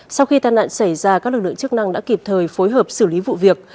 sau khi tàn nạn xảy ra các lực lượng chức năng đã kịp thời phối hợp xử lý vụ việc